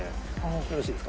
よろしいですか？